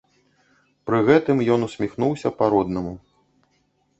Пры гэтым ён усміхнуўся па-роднаму.